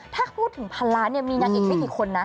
ถ้าพูดถึงพันล้านเนี่ยมีนางอีกไม่กี่คนนะ